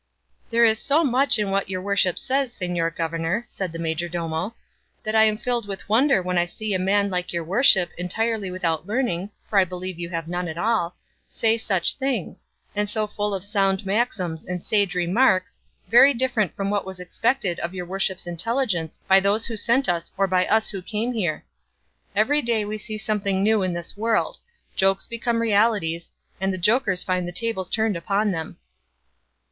"There is so much in what your worship says, señor governor," said the majordomo, "that I am filled with wonder when I see a man like your worship, entirely without learning (for I believe you have none at all), say such things, and so full of sound maxims and sage remarks, very different from what was expected of your worship's intelligence by those who sent us or by us who came here. Every day we see something new in this world; jokes become realities, and the jokers find the tables turned upon them."